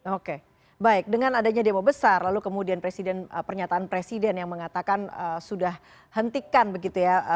oke baik dengan adanya demo besar lalu kemudian presiden pernyataan presiden yang mengatakan sudah hentikan begitu ya